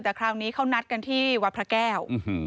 แต่คราวนี้เขานัดกันที่วัดพระแก้ว